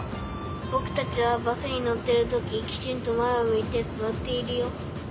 ぼくたちはバスにのってるとききちんとまえをむいてすわっているよ。